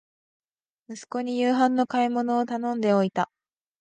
息子に夕食の買い物を頼んでおいた